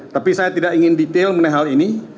tapi saya tidak ingin detail mengenai hal ini